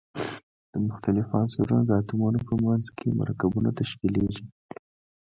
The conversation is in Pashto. د مختلفو عنصرونو د اتومونو په منځ کې مرکبونه تشکیلیږي.